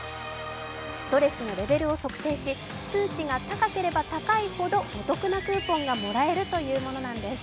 ストレスのレベルを測定し、数値が高ければ高いほどお得なクーポンがもらえるというものなんです。